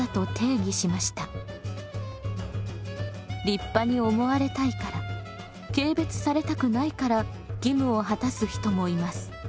立派に思われたいから軽蔑されたくないから義務を果たす人もいます。